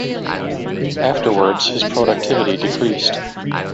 Afterwards his productivity decreased.